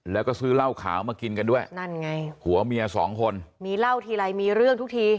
แล้วก็ซื้อเหล้าขาวมากินกันด้วยนั่นไงผัวเมียสองคนมีเหล้าทีไรมีเรื่องทุกที